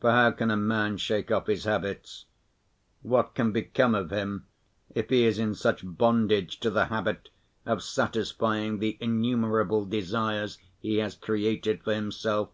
For how can a man shake off his habits? What can become of him if he is in such bondage to the habit of satisfying the innumerable desires he has created for himself?